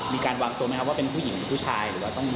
มีการบังตัวมั้ยครับว่าเป็นผู้หญิงหรือผู้ชาย